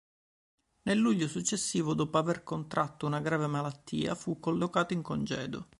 Nel luglio successivo, dopo aver contratto una grave malattia, fu collocato in congedo.